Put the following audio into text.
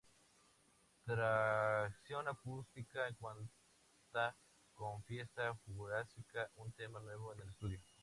Tracción acústica cuenta con Fiesta Jurásica, un tema nuevo en estudio.